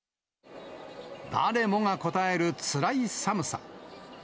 誰もがこたえるつらい寒さ。